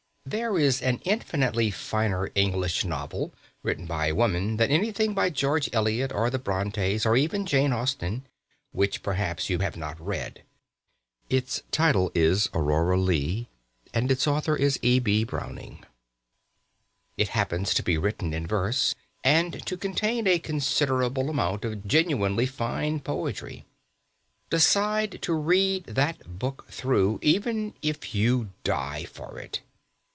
There is an infinitely finer English novel, written by a woman, than anything by George Eliot or the Brontes, or even Jane Austen, which perhaps you have not read. Its title is "Aurora Leigh," and its author E.B. Browning. It happens to be written in verse, and to contain a considerable amount of genuinely fine poetry. Decide to read that book through, even if you die for it.